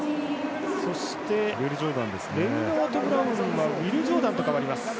そして、レイナートブラウンはウィル・ジョーダンと代わります。